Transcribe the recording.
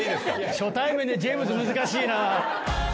初対面で「ジェームズ」難しいな。